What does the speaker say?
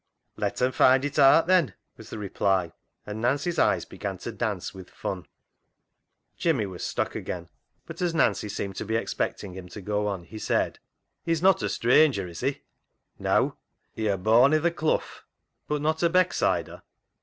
" Let 'cm find it aat then," was the reply, and Nancy's eyes began to dance with fun. Jimmy was stuck again, but as Nancy 78 CLOG SHOP CHRONICLES seemed to be expecting him to go on, he said —" He's not a stranger, is he ?"" Neaw, he'er [he was] born i' th' clough." " But not a Becksider